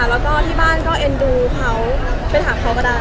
แล้วก็ที่บ้านก็เอ็นดูเขาไปถามเขาก็ได้